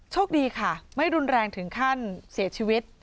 โชคดีค่ะไม่รุนแรงถึงขั้นเสียชีวิต